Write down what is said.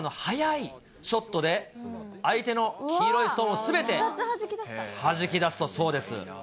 これ、松村の速いショットで相手の黄色いストーンをすべてはじき出した、そうです。